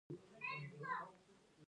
دوی ښځې ډېرې ټیټې ګڼي.